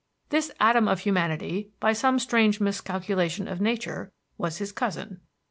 This atom of humanity, by some strange miscalculation of nature, was his cousin.